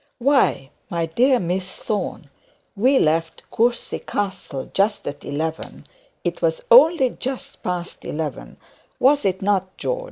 Why, dear Miss Thorne, we left Courcy Castle just at eleven; it was only just past eleven, was it not, John?